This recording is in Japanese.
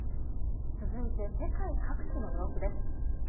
続いて世界各地の様子です。